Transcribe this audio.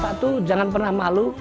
satu jangan pernah malu